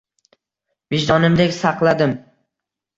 Vijdonimdek saqladim.